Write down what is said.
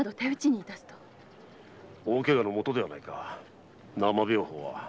大ケガのもとではないか生兵法は。